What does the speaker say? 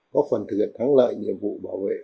có phần thực hiện thắng lợi nhiệm vụ bảo vệ